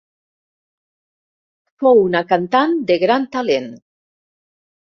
Fou una cantant de gran talent.